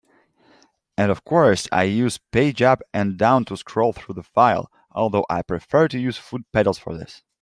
And of course I use page up and down to scroll through the file, although I prefer to use foot pedals for this.